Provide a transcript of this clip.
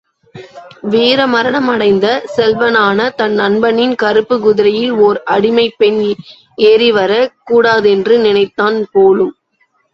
வீர மரணம் அடைந்த, செல்வனான தன் நண்பனின் கறுப்பு குதிரையில் ஓர் அடிமைப்பெண் ஏறிவரக் கூடாதென்று நினைத்தான் போலும்.